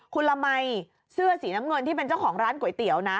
คุณละมัยเสื้อสีน้ำเงินที่เป็นเจ้าของร้านก๋วยเตี๋ยวนะ